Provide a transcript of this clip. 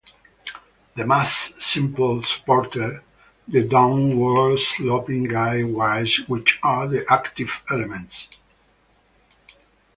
The mast simply supported the downward sloping guy wires which are the active elements.